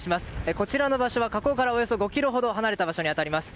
こちらの場所は河口からおよそ５ｋｍほど離れた場所に当たります。